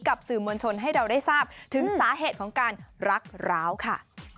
กับสื่อมวลชนให้เราได้ทราบถึงสาเหตุของการรักร้าวค่ะ